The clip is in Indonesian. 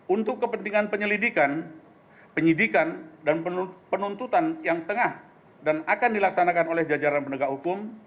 untuk kepentingan penyelidikan penyidikan dan penuntutan yang tengah dan akan dilaksanakan oleh jajaran penegak hukum